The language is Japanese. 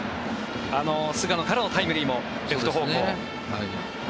菅野からのタイムリーもレフト方向。